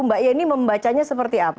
mbak yeni membacanya seperti apa